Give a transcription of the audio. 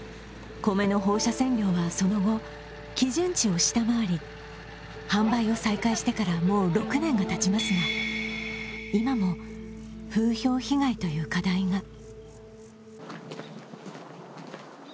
米の放射線量はその後、基準値を下回り販売を再開してからもう６年がたちますが今も風評被害という課題が。